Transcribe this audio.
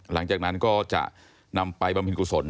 หลังจากนั้นก็จะนำไปบำเพ็ญกุศล